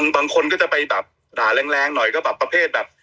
บางคนก็จะไปแบบด่าแรงหน่อยก็แบบประเภทแบบ